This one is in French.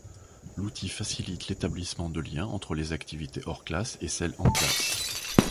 L’outil facilite l’établissement de lien entre les activités hors classe et celles en classe.